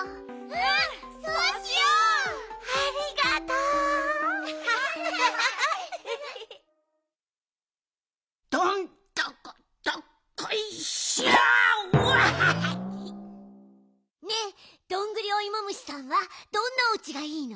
わあっ！ねえどんぐりおいも虫さんはどんなおうちがいいの？